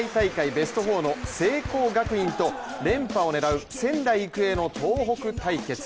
ベスト４の聖光学院と連覇を狙う仙台育英の東北対決。